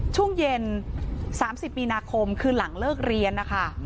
ช่วงเย็น๓๐มีนาคมคือหลังเลิกเรียนนะคะ